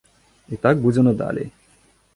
І так будзе надалей.